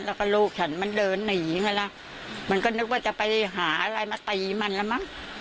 แล้วก็ลูกฉันมันเดินหนีไงล่ะมันก็นึกว่าจะไปหาอะไรมาตีมันแล้วมั้ง